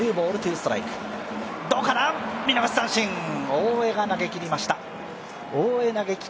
大江が投げきりました。